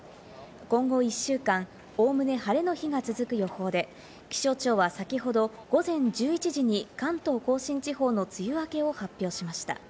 今後１週間、おおむね晴れの日が続く予報で、気象庁はさきほど午前１１時に関東甲信地方の梅雨明けを発表しました。